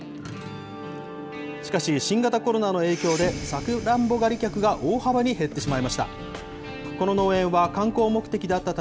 しかし、新型コロナの影響でサクランボ狩り客が大幅に減ってしまいました。